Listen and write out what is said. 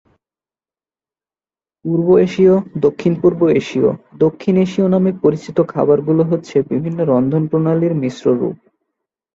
পূর্ব এশীয়, দক্ষিণ পূর্ব এশীয়, দক্ষিণ এশীয় নামে পরিচিত খাবার গুলো হচ্ছে বিভিন্ন রন্ধন প্রণালীর মিশ্র রূপ।